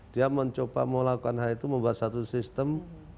dia mencoba mau lakukan hal itu membuat satu sistem